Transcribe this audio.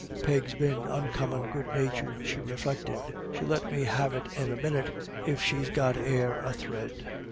" Peg's been oncommon good natured," she reflected ;" she'll let me have it in a minit, if she's got e'er a thread."